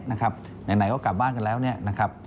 ไหนก็กลับบ้านกันแล้วเนี่ยนะครับ